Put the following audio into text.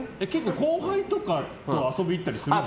後輩とかと遊び行ったりします？